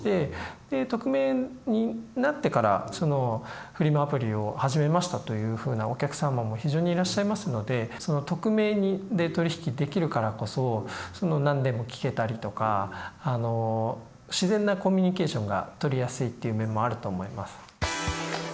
で匿名になってからフリマアプリを始めましたというふうなお客様も非常にいらっしゃいますので匿名で取り引きできるからこそ何でも聞けたりとか自然なコミュニケーションが取りやすいっていう面もあると思います。